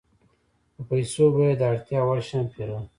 په پیسو به یې د اړتیا وړ شیان پېرل